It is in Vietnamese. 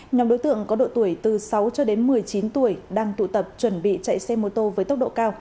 nhóm đối tượng có độ tuổi từ sáu cho đến một mươi chín tuổi đang tụ tập chuẩn bị chạy xe mô tô với tốc độ cao